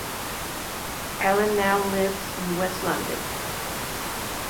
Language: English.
Alan now lives in West London.